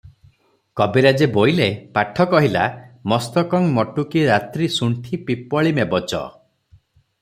କବିରାଜେ ବୋଇଲେ, 'ପାଠ କହିଲା, 'ମସ୍ତକଂ ମଟୁକୀ ରାତ୍ରୀ ଶୁଣ୍ଠି ପିପ୍ପଳିମେବଚ ।